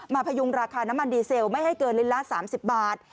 พยุงราคาน้ำมันดีเซลไม่ให้เกินลิตรละ๓๐บาท